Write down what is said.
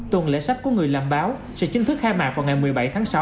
tuần lễ sách của người làm báo sẽ chính thức khai mạc vào ngày một mươi bảy tháng sáu